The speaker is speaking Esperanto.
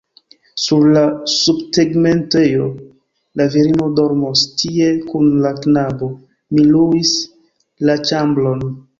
Sur la subtegmentejo? La virino dormos tie kun la knabo; mi luis la ĉambron.